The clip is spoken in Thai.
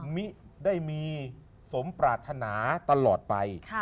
มิได้มีสมปรารถนาตลอดไป